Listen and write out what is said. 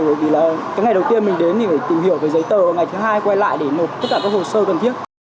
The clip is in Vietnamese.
bởi vì là cái ngày đầu tiên mình đến thì phải tìm hiểu về giấy tờ ngày thứ hai quay lại để nộp tất cả các hồ sơ cần thiết